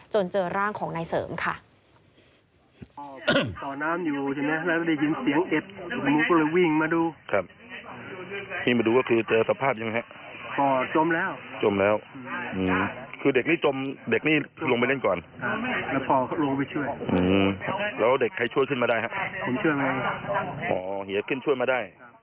เจอร่างของนายเสริมค่ะ